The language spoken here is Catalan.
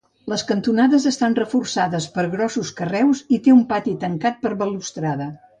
Les cantonades estan reforçades per grossos carreus i té un pati tancat per balustrada.